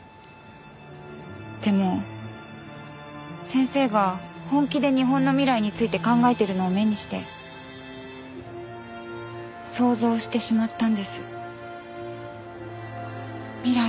でも先生が本気で日本の未来について考えているのを目にして想像してしまったんです未来を。